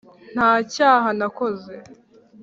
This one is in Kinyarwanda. ntacyaha nakoze